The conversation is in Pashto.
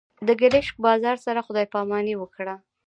د ګرشک بازار سره خدای پاماني وکړه.